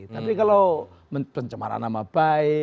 tapi kalau pencemaran nama baik